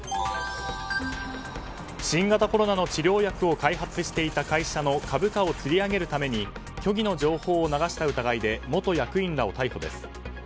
新型コロナの治療薬を開発していた会社の株価をつり上げるために虚偽の情報を流した疑いで元役員らを逮捕です。